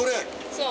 そう。